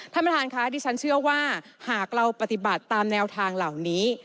ท่านประธานค่ะดิฉันเชื่อว่าหากเราปฏิบัติตามแนวทางเหล่านี้